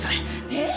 えっ！？